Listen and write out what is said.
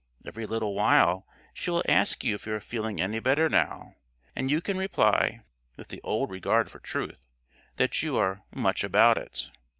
Every little while she will ask you if you are feeling any better now, and you can reply, with the old regard for truth, that you are "much about it."